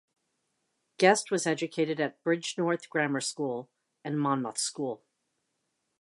Guest was educated at Bridgnorth Grammar School and Monmouth School.